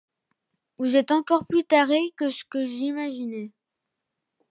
Vous êtes encore plus tarés que ce que j’imaginais.